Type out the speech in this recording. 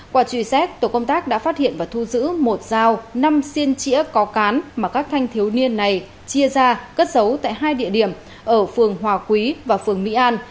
qua truy xét tổ công tác đã phát hiện và thu giữ một dao năm xiên chỉa có cán mà các thanh thiếu niên này chia ra cất giấu tại hai địa điểm ở phường hòa quý và phường mỹ an